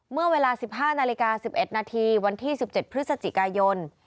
เมื่อเวลา๑๕นาฬิกา๑๑นาทีวันที่๑๗พฤศจิกายน